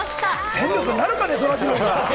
戦力になるかね、そらジローが。